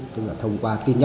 tức là thông quan